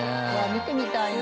見てみたいな。